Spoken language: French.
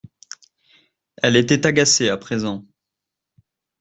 Elle était agacée à présent.